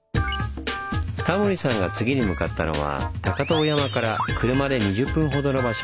タモリさんが次に向かったのは高塔山から車で２０分ほどの場所。